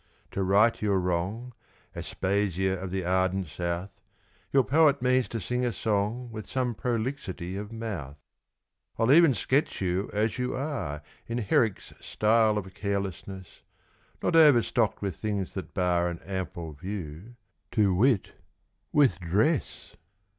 To right your wrong, Aspasia of the ardent South, Your poet means to sing a song With some prolixity of mouth. I'll even sketch you as you are In Herrick's style of carelessness, Not overstocked with things that bar An ample view to wit, with dress.